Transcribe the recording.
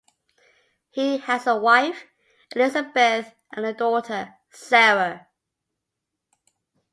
He has a wife, Elizabeth and a daughter, Sara.